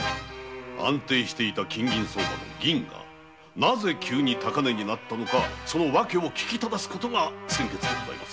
安定していた金銀相場の銀がなぜ急に高値になったのかその訳を聞き質すことが先決でございます。